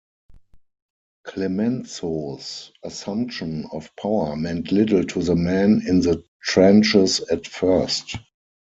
Clemenceau's assumption of power meant little to the men in the trenches at first.